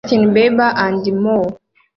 Justin Bieber and MØ —